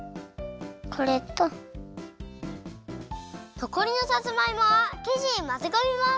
のこりのさつまいもはきじにまぜこみます。